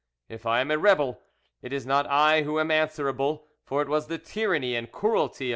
If I am a rebel, it is not I who am answerable, for it was the tyranny and cruelty of M.